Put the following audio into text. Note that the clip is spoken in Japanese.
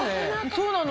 そうなの。